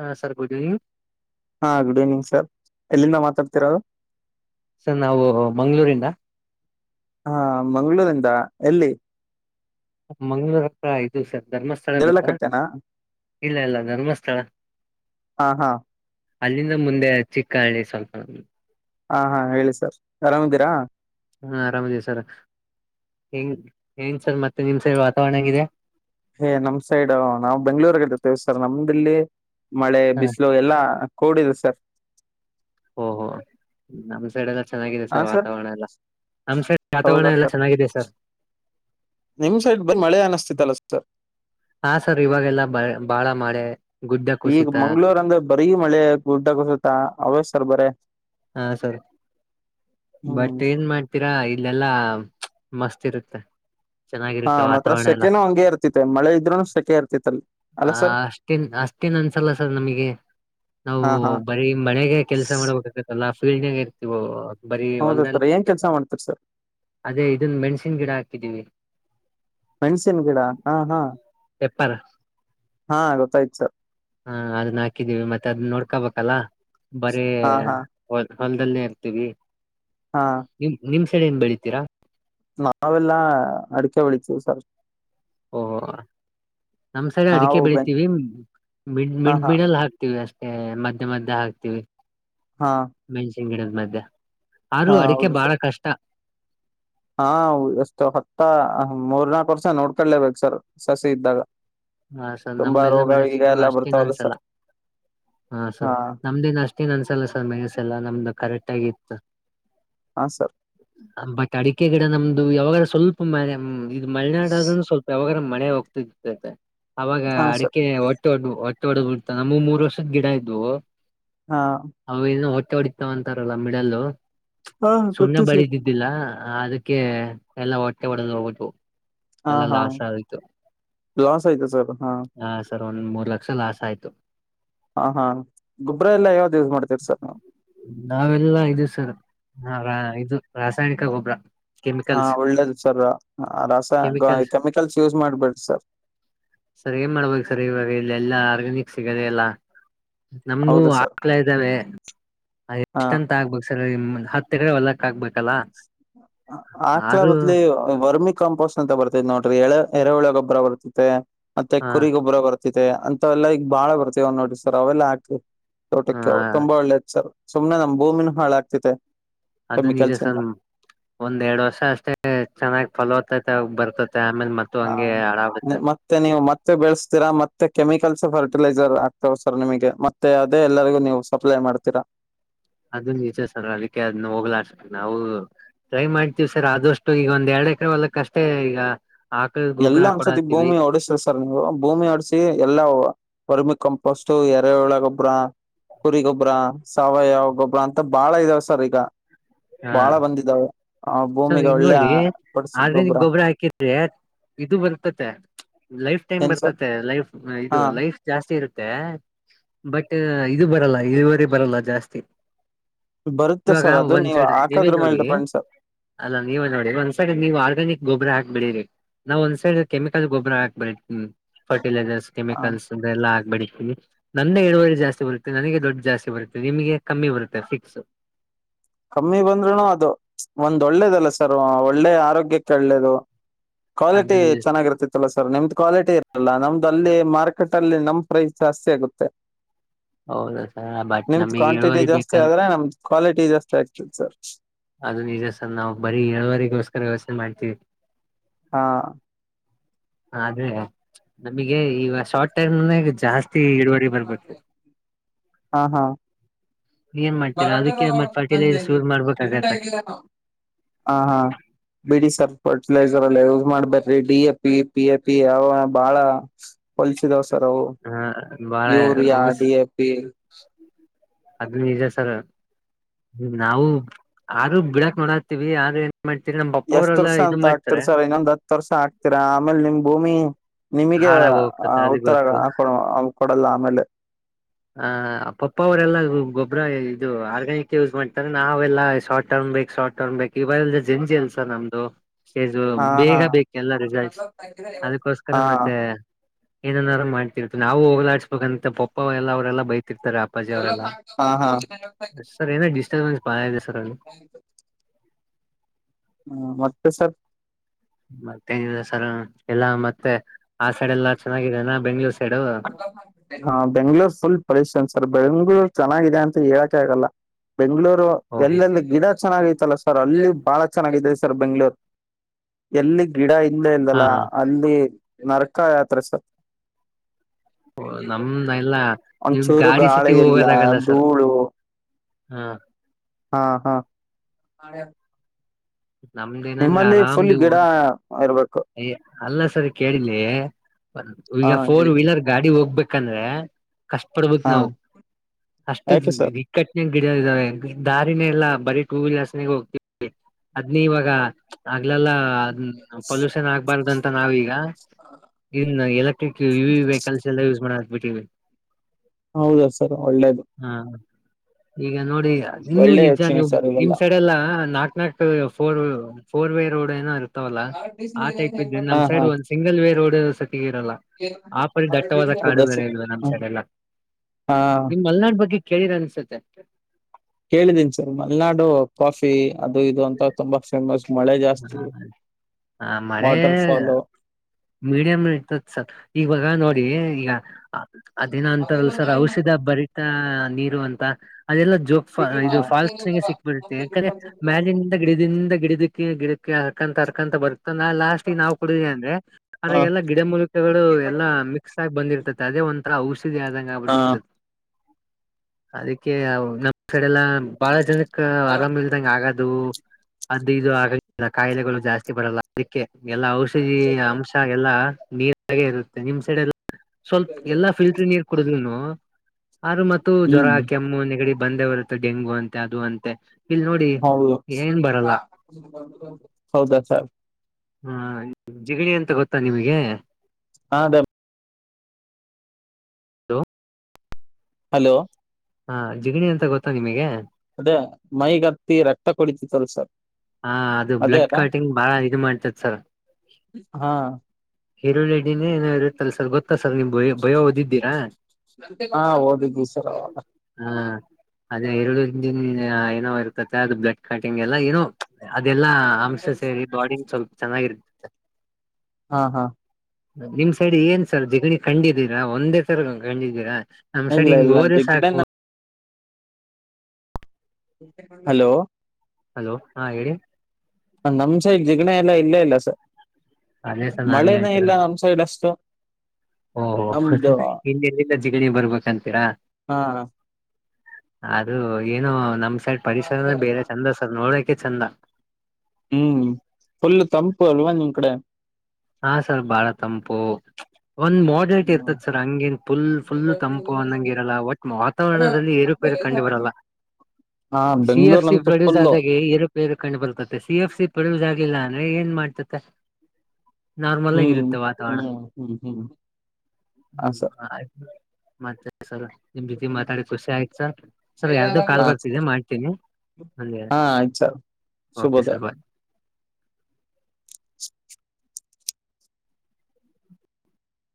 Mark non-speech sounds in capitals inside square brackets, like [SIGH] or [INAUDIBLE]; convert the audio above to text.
ಹಾ sir good evening ಹಾ good evening sir ಎಲ್ಲಿಂದ ಮಾತಾಡ್ತಿರೋದು ಸರ್ ನಾವು ಮಂಗ್ಗಳೂರಿಂದ ಹಾ ಮಂ್ಗಳೂರಿಂದ ಎಲ್ಲಿ ಮಂಗ್ಳೂರ್ ಹತ್ರ ಇದು ಸರ್ ಧರ್ಮಸ್ಥಳ ಗೊತ್ತಾ ದೇರಳಕಟ್ಟೆನಾ ಇಲ್ಲ ಇಲ್ಲ ಧರ್ಮಸ್ಥಳ ಹಾ ಹಾ ಅಲ್ಲಿಂದ ಮುಂದೆ ಚಿಕ್ಕ ಹಳ್ಳಿ ಸ್ವಲ್ಪ ಹಾ ಹಾ ಹೇಳಿ ಸರ್ ಆರಾಮ್ದೀರಾ ಹಾ, ಆರಾಮದಿವಿ ಸರ್ ಹೆಂಗ ಹೆಂಗ ಸರ್ ಮತ್ತೆ ನಿಮ್ ಸೈಡವಾತಾವರಣ ಹೆಗಿದೆ. ಹೇ ನಮ್ ಸೈಡ್ ನಾವು ಬೆಂಗ್ಗಳೂರ್ಗರ್ತೇವಿ ಸರ್ ನಮ್ದಿಲ್ಲಿ ಮಳೆ ಹ ಬಿಸಿಲು ಎಲ್ಲಾ ಕೂಲಿದೆ ಸರ್ ಓಹೋ, ನಮ್ಮ್ ಸೈಡ ಚೆನ್ನಾಗಿದೆ ಸರ್ ವಾತಾವರಣ ಎಲ್ಲಾ ನಮ್ ಸೈಡ ವಾತಾವರಣ ಹೌದಾ ಎಲ್ಲ ಸರ್ ಚೆನ್ನಾಗಿದೆ ಸರ್. ನಿಮ್ ಸೈಡ್ ಬಂದ ಮಳೆ ಅನಿಸ್ತಿತ್ತಲ್ಲ ಸರ್, ಹಾ, ಸರ್ ಇವಾಗೆಲ್ಲಾ ಬ ಬಾಳ ಮಾಡೆ ಈಗ ಮಂಗ್ಳೂರ್ ಅಂದ್ರೆ ಬರೀ ಮಳೆ ಗುಡ್ಡ ಕುಸಿತ ಅವ್ಯ ಸರ್ ಬರೆ ಹಾ, ಸರ್ ಬಟ್ ಏನ್ ಮಾಡ್ತೀರಾ ಇಲ್ಲೆಲ್ಲಾ ಮಸ್ತ್ ಇರುತ್ತೆ. ಹಾ ಚೆನ್ನಾಗಿರುತ್ತೆ ಮಾತ್ರ ವಾತಾವರಣ ಎಲ್ಲ ಸೆಕೆನೂ ಹಂಗೆ ಇರ್ತೈತೆ ಮಳೆ ಇದ್ರುನು ಸೆಕೆ ಇರ್ತೈತಿ ಅಲ್ಲಿ ಅಲ್ಲ ಆ ಸರ್ ಅಷ್ಟೇನ್, ಅಷ್ಟೇನ್ ಅನ್ಸಲ್ಲ ಸರ್ ನಮಗೆ ನಾವು ಹಾ ಹಾ ಬರೆಮಳೆಗೆ ಕೆಲ್ಸ ಮಾಡ್ಬೇಕ. ನಾ ಫೀಲ್ಡ್ಂಗ ಇರ್ತಿವೋ ಬರಿ ಹೌದಾ ಸರ್ ಹೊಲದಲ್ಲಿ ಏನ್ ಕೆಲ್ಸ ಇತವಲ್ಲ [UNINTELLIGIBLE] ಮಾಡ್ತೀರಿ ಸರ್ ಅದೇ ಇದನ್ನ ಮೆಣಸಿನ್ ಗಿಡ ಹಾಕಿದೀವಿ. ಮೆಣ್ಸಿನ ಗಿಡ ಹಾ ಹಾ ಪೆಪ್ಪರ್ ಹಾ ಗೊತ್ತಾಯ್ತು ಸರ್ ಹಾ ಅದನ್ನ ಹಾಕಿದೀವಿ ಮತ್ತೆ ಅದನ್ನ ನೋಡ್ಕೊಬೇಕಲ್ಲ ಬರೀ ಹಾ ಹಾ ಹೊಲ್ ಹೊಲ್ದದಲ್ಲಿನೇ ಇರ್ತೀವಿ. ಹಾ, ನಿಮ್ ನಿಮ್ ಸೈಡ್ ಏನ್ ಬೆಳಿತೀರಾ ನಾವೆಲ್ಲಾ ಅಡಿಕೆ ಬೆಳಿತೀವಿ ಸರ್ ಓಹೋ ನಮ್ ಸೈಡ್ ಅಡಿಕೆ ನಾವು ಬೆನ್ ಬೆಳಿತೀವಿ ಮ [UNINTELLIGIBLE] ಹಾ ಮಂಡ ಹಾ ಮೀಣಲ್ ಹಾಕ್ ಹತವಿ ಅಷ್ಟೇ ಮಧ್ಯೆ ಮದ ಹಾಕ್ತಿೀವಿ [UNINTELLIGIBLE] ಹಾ, ಮೆಣಸಿನ್ ಗಿಡದ ಮಧ್ಯೆ ಹಾ ಆದ್ರೂ ಅಡಿಕೆ ಹೌದು ಬಾಳ ಸರ್. ಕಷ್ಟಾ. ಹಾ, ಎಷ್ಟು ಹತ್ತ ಮೂರ್ನಾಕು ವರ್ಷ ನೋಡ್ಕೊಲೇಬೇಕು ಸರ್ ಸಸಿ ಇದ್ದಾಗ. ಹಾ, ಸರ್ ತುಂಬಾ ನಮದೆಲ್ಲಾ ರೋಗ ಗೀಗ ಮೆಣಸುದು ಎಲ್ಲ ಅಷ್ಟೇನ್ ಬರ್ತಾವಲ್ಲ ಅನ್ಸಲ್ಲ ಸರ್ ಹ, ಹಾ ಸರ್ ನಮ್ದಿನ ಅಷ್ಟೇ, ಇತ್ತಿನ ಅನ್ಸಲ್ಲ ಸರ್ ಮೈಸ್ಸ ಎಲ್ಲ ನಮ್ದು ಕರೆಕ್ಟ್ ಆಗಿತ್ತು. ಹಾ, ಸರ್ ಬಟ್ ಅಡಿಕೆ ಗಿಡ ನಮ್ದು ಯಾವಾಗ ಸ್ವಲ್ಪ ಮ ಇದು ಮಲೆನಾಡ ಆದ್ರ ಸ್ವಲ್ಪ ಯಾವಾಗ ಮಳೆ ಹೋಗ್ತಿತತೆ ಅವಾಗ ಹಾ ಸರ್ ಅಡಿಕೆ ಒಟ್ಟ ಒಟ್ಟ ಒಟ್ಟೊಡ್ದಬಿಡ್ತಾವ ನಮುವ ಮೂರ್ ವರ್ಷದ್ ಗಿಡ ಇದ್ದುವು. ಹಾ, ಅವ ಎನೊ ಹೊಟ್ಟೆ ಹೊಡತಾವಂತಾರಲ್ಲ ಮಿಡಲ್ಲು ಹಾ ಸುಣ್ನೆ ಗೊತ್ತು ಸರ್ ಬಳಿದಿದ್ದ ದಿಲ್ಲ ಅದಕ್ಕೆ ಎಲ್ಲ ಹೊಟ್ಟೆ ಹೊಡೆದು ಹೋಗ್ಬಿಟ್ಟವು. ಹಾ, ಹಾ ಲಾಸ್ ಆಯ್ತು ಸರ್ ಹಾ ಹಾ ಸರ್ ಒಂದ್ ಮೂರ್ ಲಕ್ಷ ಲಾಸ್ ಆಯ್ತು. ಹಾ, ಹಾ ಗೊಬ್ಬ್ರ ಎಲ್ಲ ಯಾವ್ದ್ ಯೂಸ್ ಮಾಡ್ತಿರ ಸರ್ ನೀವು- ನಾವೆಲ್ಲಾ ಇದು ಸರ್ ಇದು ಇದು ರಾಸಾಯನಿಕ ಗೊಬ್ಬರ. ಹಾ ಕೆಮಿಕಲ್ಸ್ ಒಳ್ಳೇದು ಸರ್ ರಾಸಾಯನಿಕ ಕೆಮಿಕಲ್ಸ್ ಯೂಸ್ ಮಾಡ್ಬೇಡ ಸರ್- ಸರಿ ಏನ್ ಮಾಡ್ಬೇಕು ಸರ್ ಇವಾಗ ಇಲ್ಲಿ ಎಲ್ಲಾ ಆರ್ಗ್ಯಾನಿಕ್ ಸಿಗದೆ ಇಲ್ಲಾ. ನಮ್ಮೂವು ಹೌದು ಸರ್ ಆಕ್ಲಾ ಇದ್ದಾವೆ ಹಾ. ಎಷ್ಟಂತ ಆಗ್ಬೇಕ ಸರ್ ಹತ್ತು ತೆರ್ರ ಒಲ್ಲಕ್ ಆಗ್ಬೇಕಲ್ಲಾ ಆಕ್ಲ ಬದಲ ವರ್ಮಿ ಕಂಪೋಸ್ಟ್ ಅಂತ ಬರ್ತೈತಿ ನೋಡ್ರಿ ಎಳ ಎರೆಹುಳ ಗೊಬ್ಬರ ಬರ್ತೈತೆ ಮತ್ತೆ ಹ ಕುರಿ ಗೊಬ್ಬರ ಬರ್ತಾ ತೆ ಅಂತವೆಲ್ಲಾ ಈಗ ಬಾಳ ಬರ್ತವ ಅವ ನೋಡಿ ಸರ್ ಅವೆಲ್ಲ ಹಾಕಿ ಹ ತೋಟಕ್ಕೆ. ಅವ ತುಂಬಾ ಒಳ್ಳೇದ ಸರ್ ಸುಮ್ನೆ ನಮ್ ಭೂಮಿನ ಹಾಳಾಗ್ತಿತೆ. ಅದು ನಿಜ ಕೆಮಿಕಲ್ಸ್ ಇಂದ ಸರ್ ಒಂದ್ ಎರಡ್ ವರ್ಷ ಅಷ್ಟೇ ಚನ್ನಾಗ ಫಲೋತ್ತೈತೆ ಬರ್ತ್ಯಾತ್ ಆಮೇಲ್ಲೆ ಮತ್ತು ಹ ಹಂಗೆ ಹಾಳಾಗ್ತಿಯ್ತತ. ಮತ್ತೆ ನೀವು ಮತ್ತೆ ಬೆಳೆಸ್ತೀರಾ ಮತ್ತೆ ಕೆಮಿಕಲ್ಸ್ ಫರ್ಟಿಲೈಸರ್ ಆಗ್ತವೆ ಸರ್ ನಿಮಗೆ ಮತ್ತ್ ಮತ್ತೆ ಅದೇ ಎಲ್ಲರಿಗು ನೀವು ಸಪ್ಲೈ ಮಾಡ್ತೀರಾ. ಅದು ನಿಜ ಸರ್ ಅದಕ್ಕೆ ಅದನ್ನ ಹೋಗ್ಲಾಡಸ ಬೇಕ್ ನಾವು ಟ್ರೈ ಮಾಡ್ತೀವಿ ಸರ್ ಆದಷ್ಟು ಈಗ ಒಂದ ಎರಡ ಎಕರೆ ಒಲಕ್ಕೆ ಅಷ್ಟೇ ಈಗ ಆಕಳ ಗೊಬ್ಬರ ಎಲ್ಲಾ ಒಂದ್ ಸತಿ ಕೊಡತೀವಿ ಭೂಮಿ ಒಡಿಸ್ ಸರ್ ನೀವು ಭೂಮಿ ಹೊಡ್ಸಿ ಎಲ್ಲಾ ವರ್ಮಿ ಕಂಪೋಸ್ಟ್ ಎರೆಉಳ ಗೊಬ್ರ ಕುರಿ ಗೊಬ್ಬ್ರ ಸಾವಯವ ಗೊಬ್ಬ್ರ ಅಂತ ಬಾಳ ಇದಾವ ಸರ್ ಈಗ. ಹ ಬಾಳ ಬಂದಿದ್ದವು ಆ ಸರ್ ಭೂಮಿಗೆ ಒಳ್ಳೆ ಕೊಡ್ಸ ಗೊಬ್ಬ್ರ. ಎ ಇದು ಬರ್ತ್ಯಾತಿ ಲೈಫ್ ಟೈಮ್ ಏನ್ ಸರ್ ಬರ್ತ್ಯಾತಿ ಲೈಫ್ ಇದು ಹಾ ಲೈಫ್ ಜಾಸ್ತಿ ಇರುತ್ತೆ ಬಟ್ ಇದು ಬರಲ್ಲ ಇಳುವರೆ ಬರಲ್ಲ ಜಾಸ್ತಿ. ಬರುತ್ತೆ ಇವಾಗ ಸರ್ ಅದು ಒಂದ್ ನೀವು ಸೈಡ್ ನೀವೇ ಹಾಕದ್ರ ಮೇಲೆ ನೋಡಿ ಡಿಪೆಂಡ್ ಸರ್. ಅಲ್ಲ ನೀವ ನೋಡಿ ಒಂದ್ಸ ಸೈಡ್ಗ ನೀವು ಆರ್ಗ್ಯಾನಕ್ ಗೊಬರ ಹಾಕ್ ಬಿಡಿರಿ ನಾವ್ ಒಂದ್ ಸೈಡ್ ಕೆಮಿಕಲ್ ಗೊಬ್ಬರ ಹಾಕ್ ಬಿಡ್ತೇನ್ ಫರ್ಟಿಲೈಸರ್ಸ್ ಹ ಕೆಮಿಕಲ್ಸ್ ಅದೆಲ್ಲ ಹಾಕ್ ಬಡಿತೀವಿ ನಂದೆ ಇಳುವರಿ ಜಾಸ್ತಿ ಬರುತ್ತೆ ನನಗೆ ದುಡ್ಡ್ ಜಾಸ್ತಿ ಬರುತ್ತೆ ನಿಮಗೆ ಕಮ್ಮಿ ಬರುತ್ತೆ ಫಿಕ್ಸ್. ಕಮ್ಮಿ ಬಂದ್ರುನು ಅದು ಒಂದ್ ಒಳ್ಳೇದಲ್ಲ ಸರ್ ಒಳ್ಳೆ ಆರೋಗ್ಯಕ್ಕೆ ಒಳ್ಳೇದು ಕ್ವಾಲಿಟಿ ಅದು ಚನಾಗಿರ್ತ್ತತ ಸರ್ ನಿಮ್ದು ಕ್ವಾಲಿಟಿ ಇರಲ್ಲ ನಮ್ದು ಅಲ್ಲಿ ಮಾರ್ಕೆಟ್ ಅಲ್ಲಿ ನಮ್ ಪ್ರೈಸ್ ಜಾಸ್ತಿ ಆಗುತ್ತೆ ಹೌದಾ ಸರ್ ಬಟ್ [INAUDIBLE] ನಿಮ್ದ ನಮಗೆ ಕ್ವಾಂಟಿಟಿ ಇಳುವರಿ ಜಾಸ್ತಿ ಬೇಕಂತ ಆದ್ರೆ ನಮ್ದ ಕ್ವಾಲಿಟಿ ಜಾಸ್ತಿ ಆಗ್ತದೆ ಸರ್. ಅದು ನಿಜ ಸರ್ ನಾವವು ಬರೀ ಏಳ್ವರಿಗೋಸ್ಕರ ವ್ಯವಸ್ಥೆ ಮಾಡ್ತೀವಿ. ಹಾ ಆದ್ರೆ ನಮಗೆ ಈಗ ಶಾರ್ಟ್ ಟೈಮ್ನ ಜಾಸ್ತಿ ಇಳುವರಿ ಬರ್ಬೇಕ. ಹಾ ಹಾ ಏನ್ ಮಾಡ್ತೀರಾ ಅದಕ್ಕೆ ಮತ್ ಫರ್ಟಿಲೈಸರ್ಸ್ ಯೂಸ್ ಮಾಡ್ಬೇಕಾಗತ್ತೆ [UNINTELLIGIBLE] ಹಾ ಹಾ ಬಿಡಿ ಸರ್ ಫರ್ಟಿಲೈಸರ್ ಎಲ್ಲ ಯೂಸ್ ಮಾಡ್ಬೇಡ್ರಿ D A P P A P ಅವ ಎಲ್ಲಾ ಬಾಳ ಹೊಲಸ ಇದ್ದವ ಸರ್ ಅವು. ಹಾ ಬಾಳ ಯೂರಿ ಅವಸ್ ಡಿ ಎ ಪಿ ಅದು ನಿಜ ಸರ್. ನಾವು ಆರುೂ ಬಿಡಾಕ್ ನೋಡಾತಿವಿ ಆದ್ರ ಏನ್ ಮಾಡ್ತೀರಿ ನಮ್ಮ್ ಅಪ್ಪ ಅವ್ರಲ್ಲಾ ಇದು ಮಾಡ್ತಾರ. ಹತ್ತ ವರ್ಷ್ ಹಾಕ್ತೀರಾ ಆಮೇಲೆ ನಿಮ್ ಭೂಮಿ ನಿಮಗೆ ಹಾಳಾಗ ಹೋಗ್ತತೆ ಅದ ಉತ್ತರ ಗೊತ್ತು ಹಾ ಕೊಡ ಕೊಡಲ್ಲ ಆಮೇಲೆ. ಆ ಅ ಪಪ್ಪ ಅವರೆಲ್ಲ ಗೊಬ್ಬರ ಇದು ಆರ್ಗ್ಯಾನಿಕ್ ಯೂಸ್ ಮಾಡ್ತಾರೆ ನಾವೆಲ್ಲಾ ಶಾರ್ಟ್ ಟರ್ಮ್ ಬೇಕ ಶಾರ್ಟ್ ಬೇಕ್ ಇವಾಗೆಲ್ಲ ಜನಜಿ ಅಲ್ಲ ಸರ್ ನಮ್ದು ಫೇಸ್ ಹಾ ಹಾ ಬೇಗ ಬೇಕ ಎಲ್ಲ ರಿಸಲ್ಟ್ಸ್ ಅದಕ್ಕೋಸ್ಕರ ಹಾ ಮತ್ತೆ ಏನನಾದಾರು ಮಾಡ್ತಿರ್ವಿ ನಾವು ಹೋಗ್ಲಾಡ್ಸ್ಬೇಕಂತ ಪಪ್ಪ ಎಲ್ಲ ಅವರೆಲ್ಲಾ ಬೈತಿರ್ತಾರೆ ಅ ಪ್ಪಾಜಿ ಅವರೆಲ್ಲ ಹಾ ಹಾ ಸರ್ ಏನೋ ಡಿಸ್ಟರ್ಬನ್ಸ್ ಬಾಳ ಇದೆ ಸರ್ ಅಲ್ಲಿ. ಹ್ಮ ಮತ್ತೆ ಸರ್. ಮತ್ತೇನ ಇಲ್ಲ ಸರ್ ಎಲ್ಲಾ ಮತ್ತೆ ಆ ಸೈಡ್ ಎಲ್ಲಾ ಚೆನ್ನಾಗಿದೆ ಬೆಂಗಳೂರ್ ಸೈಡ್. ಹಾ ಬೆಂಗಳೂರ ಫುಲ್ ಪರೇಷನ್ ಸರ್ ಬೆಂಗಳೂರ ಚೆನ್ನಾಗಿದೆ ಅಂತ ಹೇಳಕ ಆಗಲ್ಲ ಬೆಂಗಳೂರು ಓಹೋ ಎಲ್ಲಲ್ಲ ಗಿಡ ಚೆನ್ನಾಗೈತಲ್ಲ ಸರ್ ಅಲ್ಲಿ ಬಾಳ ಚೆನ್ನಾಗ ಸರ್ ಬೆಂಗಳೂರ್ ಎಲ್ಲಿ ಗಿಡ ಇಲ್ಲೇ ಹಾ ಇಲ್ಲಲ್ಲ ಅಲ್ಲಿ ನರಕಯತ್ರ ಸರ್. ಓ ನಮ ಎಲ್ಲಾ ನೀವ್ ಒಂಚೂರು ಗಾಡಿ ಗಾಳಿ ಸತಿ ಇಲ್ಲ ಹೋಗೋದಾಗಲ್ಲ ಸರ್. ಧೂಳು ಹ್ಮ ಹಾ ಹಾ ನಮ್ದು ಏನಂದ್ರೆ ನಿಮ್ಮಲ್ಲಿ ಫುಲ್ ಆರಾಮ್ಲಿ ಗಿಡ ಓದ್ ಇರ್ಬೇಕು ಯೆ ಅಲ್ಲ ಸರಿ ಕೇಳ ಇಲ್ಲಿ ಹಾ ಈಗ ಪೋರ್ ಹೇಳಿ ವೀಲರ್ ಗಾಡಿ ಹೋಗ್ಬೇಕ್ ಕಂದ್ರೆ ಕಷ್ಟ ಪಡ್ಬೇಕ್ ಹಾ ನಾವು ಅಷ್ಟ್ ಯಾಕೆ ಸರ್ ಕಟ್ಟನಾಗ್ ಗಿಡ ಇದಾವೆ ದಾರಿನೆ ಇಲ್ಲಾ ಬರೀ ಟೂ ವೀಲರ್ಸ್ ಹೋಗ್ತವಿ ಅದ್ನೆ ಇವಾಗ ಹಗಲ್ಲಲ ಅದ್ನ್ ಪೊಲ್ಯೂಷನ್ ಆಗಬರದ್ ಅಂತ ನಾವೀಗ ಇನ್ ಎಲೆಕ್ಟ್ರಿಕ್ ಇವಿ ವೆಹಿಕಲ್ಸ್ ಯೂಸ್ ಮಾಡಕ್ ಬಿಟ್ಟೀವಿ. ಹೌದ ಸರ್ ಒಳ್ಳೇದು ಹಾ ಈಗ ನೋಡಿ ನೀವು ಒಳ್ಳೆ ನಿಜ ಯೋಚನೆ ನೀವು ಸರ್ ಇವೆಲ್ಲ ನಿಮ್ ಸೈಡ್ ಎಲ್ಲಾ ನಾಕ್ ನಾಕ್ ಪೋರ್ ಪೋರ್ ವೇ ರೋಡ್ ಏನೋ ಅಂತವಲ್ಲ. ಆ ಟೈಪ್ ಇದ್ರೆ ಹಾ ನಮ್ ಹಾ ಸೈಡ್ ಒಂದ್ ಸಿಂಗಲ್ ವೇ ರೋಡ್ ಸತಿಗ ಇರಲ್ಲ. ಆ ಪರಿ ದಟ್ಟವಾದ ಹೌದಾ ಕಾಡುಗಳ ಸರ್ ಇಲ್ವಾ ನಮ್ ಸೈಡೆಲ್ಲ ಹಾ ನಿಮ್ ಮಲ್ನಾಡು ಬಗ್ಗೆ ಕೇಳಿರ್ ಅನ್ಸುತ್ತೆ. ಕೇಳಿದೀನಿ ಸರ್ ಮಲ್ನಾಡು ಕಾಫಿ ಅದು ಇದು ಅಂತ ತುಂಬಾ ಫೇಮಸ್ ಮಳೆ ಜಾಸ್ತಿ ಹ ಹ ಮಳೆ ವಾಟರ್ ಫಾಲೂ ಮೀಡಿಯಂ ಇರತದ್ ಸರ್ ಈವಾಗ ನೋಡಿ ಈಗ ಅದೇನೊ ಅಂತಾರಲ್ ಸರ್ ಔಷಧ ಭರಿತ ನೀರು ಅಂತ. ಅದೆಲ್ಲ ಜೋಕ್ ಫ ಹಾ ಇದು ಫಾಲ್ಸ್ ಗೆ ಸಿಕ್ ಬಿಡುತ್ತೆ ಯಾಕಂದ್ರೆ ಮ್ಯಾಲಿಂದ ಗಿಡದಿಂದ ಗಿಡಿದಕ್ ಗಿಡಕ್ಕೆ ಗಿಡಕ್ಕೆ ಹರ್ಕಂತ ಅರ್ಕಂತ ಬರುತ್ತ ನಾ ಲಾಸ್ಟ್ ನಾವು ಕುಡೀವಿ ಅಂದ್ರೆ. ಅದೆ ಎಲ್ಲಾ ಗಿಡ ಮೂಲಿಕೆಗಳು ಎಲ್ಲಾ ಮಿಕ್ಸ್ ಆಗಿ ಬಂದಿರ್ತೈತೆ ಅದೇ ಒಂಥರ ಔಷಧಿ ಆದಂಗ ಹಾ ಆಗ್ಬಿರ್ತದೆ. ಅದಕ್ಕೆ ನಾವ್ ನಮ್ ಸೈಡೆಲ್ಲಾ ಬಾಳ ಜನಕ್ ಆರಾಮ ಇಲ್ ಗ ಆಗದು ಅದು ಇದು ಆಗಿಲ್ಲ ಕಾಯಿಲೆಗಳು ಜಾಸ್ತಿ ಬರಲ್ಲ. ಅದಕ್ಕೆ ಎಲ್ಲಾ ಔಷಧಿ ಅಂಶ ಎಲ್ಲಾ ನೀರಾಗೆ ಇರುತ್ತೆ ನಿಮ್ ಸೈಡ್ ಎಲ್ಲಾ. ಸ್ವಲ್ಪ ಎಲ್ಲಾ ಫಿಲ್ಟರ್ ನೀರ್ ಕುಡುದ್ರೂನು ಅದ್ರು ಮತ್ತು ಜ್ವರ ಹ್ಮ್ ಕೆಮ್ಮು ನೆಗಡಿ ಬಂದೇ ಬರುತ್ತೆ ಡೆಂಗು ಅಂತೆ ಅದು ಅಂತೆ ಇಲ್ಲಿ ನೋಡಿ ಹೌದು ಏನ್ ಬರಲ್ಲ. ಹೌದಾ ಸರ್. ಹಾ ಜಿಗಣಿ ಅಂತ ಗೊತ್ತಾ ನಿಮಗೆ. ಹಾ ಅದೇ. ಹಲೋ ಹಾ ಜಿಗಣಿ ಅಂತ ಗೊತ್ತಾ ನಿಮಗೆ. ಅದೇ ಮೈಗೆ ಹತ್ತಿ ರಕ್ತ ಕುಡಿತಿತ್ ಅಲ್ಲ್ ಸರ್ ಹಾ ಅದು ಅದೇ ಬ್ಲಾಡ್ ಅಲ್ಲ ಕಟಿಂಗ್ ಬಾಳ ಇದು ಮಾಡ್ತದ್ ಸರ್. ಹಾ ಇರುಡೆಡೀನೆ ಏನೋ ಇರುತ್ತಲ್ಲ ಸರ್ ಗೊತ್ ತ್ತ ಸರ್ ನಿಮ್ ಬಯೋ ಬಯೋ ಓದಿದ್ದೀರಾ. ಹಾ ಓದಿದ್ವಿ ಸರ್ ಅವಾಗ ಹಾ ಅದೇ ಇರುಡಿಡಿನ್ ಏನೋ ಇರ್ತತೆ ಅದು ಬ್ಲಾಡ್ ಕಟಿಂಗ್ ಎಲ್ಲಾ ಏನೋ ಅದೆಲ್ಲಾ ಅಂಶ ಸೇರಿ ಬಾಡಿ ಸ್ವಲ್ಪ ಚೆನ್ನಾಗಿರ್ತ್ತೆತ್ ಹಾ ಹಾ ನಿಮ್ ಸೈಡ್ ಏನ್ ಸರ್ ಜಿಗಣಿ ಕಂಡಿದ್ದೀರಾ ಒಂದೇ ತರ ಕಂಡಿದ್ದೀರಾ. ನಮ್ಮ್ ಸೈಡ್ ಇಲ್ಲ ಹಿಂಗ್ ಇಲ್ಲ ಹೋದರೆ ಸಾಕು ಜಿಗಣೆ ಹಲೋ ಹಲೋ ಹಾ ಹೇಳಿ. ನಮ್ ಸೈಡ್ ಜಿಗಣ ಎಲ್ಲ ಇಲ್ಲೇ ಇಲ್ಲ ಸ.. ಅದೇ ಸರ್ ನಾನೇ ಮಳೆನೇ ಇಲ್ಲ ಹೇಳ್ತಿರೋದು ನಮ್ ಸೈಡ್ ಅಷ್ಟು. ಓಹೋ ನಮ್ದು ಇನ್ನು ಎಲ್ಲಿಂದ ಜಿಗಣಿ ಬರ್ಬೇಕಂತೀರಾ. ಹಾ ಅದು ಏನು ನಮ್ಮ ಸೈಡ್ ಪರಿಸರನ ಬೇರೆ ಚಂದ ಸರ್ ನೋಡಕೆ ಚಂದ. ಹೂಂ ಫುಲ್ ತಂಪು ಅಲ್ವಾ ನಿಮ್ ಕಡೆ. ಹಾ ಸರ್ ಬಾಳ ತಂಪು ಒಂದ್ ಮೋ. ಇರ್ತದೆ ಸರ್ ಹಂಗೇ ಫುಲ್ ಫುಲ್ ತಂಪು ಅಂದಂಗ ಇರಲ್ಲ ಒಟ್ ವಾತಾವರಣದಲ್ಲಿ. ಏರು ಪೇರು ಕಂಡು ಬರಲ್ಲ ಹಾ ಸಿ ಬೆಂಗ್ಳೂರ್ ಎಫ್ ಸಿ ನಂತು ಪ್ರೊಡ್ಯೂಸ್ ಫುಲ್ಲು ಆದಾಗೆ. ಬೇರೆ ಕಂಡು ಬರ್ತತೆ ಸಿ ಎಫ್ ಸಿ ಪ್ರೊಡ್ಯೂಸ್ ಆಗಿಲ್ಲ ಅಂದ್ರೆ ಏನ್ ಮಾಡ್ತತೆ. ನಾರ್ಮಲ್ ಆಗ ಹ್ಮ್ ಇರುತ್ತೆ ವಾತಾವರಣ. ಹ್ಮ್ ಹ್ಮ್ ಹ್ಮ್ ಹಾ ಸರ್ ಮತ್ತೆ ಸರ್ ನಿಮ್ ಜತಿ ಮಾತಾಡಿ ಖುಷಿ ಆಯ್ತ್ ಸರ್ ಸರ್ ಯಾರ್ದ ಕಾಲ್ ಹಾ ಬರ್ತಿದ್ದಿ ಸರ್ ಮಾಡ್ತೀನಿ. ಒಂದೆ ಹಾ ಆಯ್ತು ಸರ್. ಓಕೆ ಶುಭೋದಯ ಸರ್ ಬಾಯ್.